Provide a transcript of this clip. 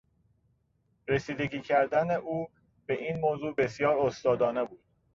رسیدگی کردن او به این موضوع بسیار استادانه بود.